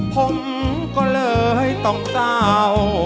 ผมก็เลยต้องเศร้า